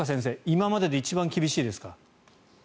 今までで一番厳しいですか？